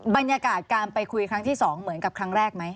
บรรยากาศการไปคุยครั้งที่๒เหมือนกับครั้งแรกไหม